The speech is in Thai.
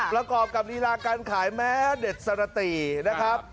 แล้วกรอบกับฤลาการขายแม้เด็ดสนตรีนะครับ